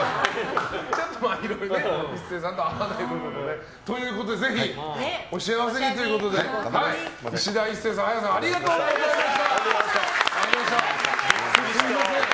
ちょっと壱成さんと合わない部分がね。ということでぜひお幸せにということでいしだ壱成さん、あやさんありがとうございました！